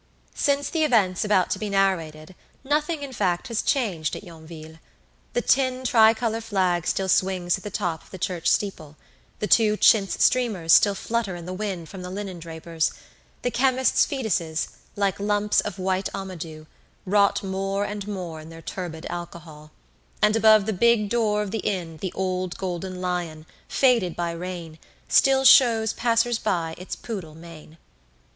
Since the events about to be narrated, nothing in fact has changed at Yonville. The tin tricolour flag still swings at the top of the church steeple; the two chintz streamers still flutter in the wind from the linen draper's; the chemist's fetuses, like lumps of white amadou, rot more and more in their turbid alcohol, and above the big door of the inn the old golden lion, faded by rain, still shows passers by its poodle mane.